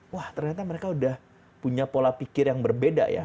wah ternyata mereka udah punya pola pikir yang berbeda ya